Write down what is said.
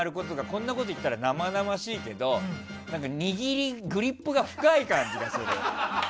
こんなこと言ったら生々しいけど握り、グリップが深い感じがする。